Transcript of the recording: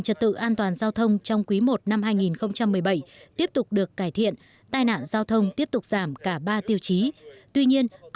công tác đảm bảo trật tự an toàn giao thông trong quý i năm hai nghìn một mươi bảy tiếp tục được cải thiện tai nạn giao thông tiếp tục giảm cả ba tiêu chí